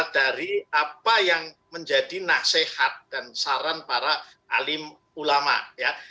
dari apa yang menjadi nasihat dan saran para alim ulama ya